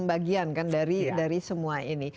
bagian dari semua ini